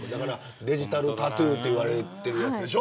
デジタルタトゥーといわれてるやつでしょ。